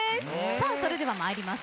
さあそれでは参ります。